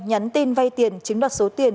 nhắn tin vay tiền chiếm đột số tiền